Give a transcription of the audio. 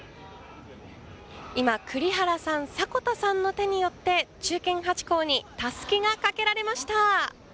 今、栗原さん、迫田さんの手によって忠犬ハチ公にたすきがかけられました。